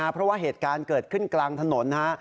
เพราะว่าเหตุการณ์เกิดขึ้นกลางถนนนะฮะ